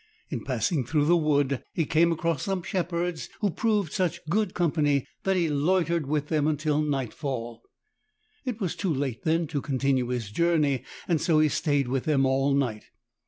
In passing through the wood he came across some shepherds, who proved such good company that he loitered with them until nightfall. It was too late then to continue his journey, and so he stayed with them all night.